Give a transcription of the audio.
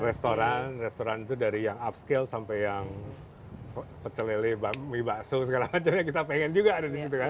restoran restoran itu dari yang upskill sampai yang pecelele mie bakso segala macam ya kita pengen juga ada di situ kan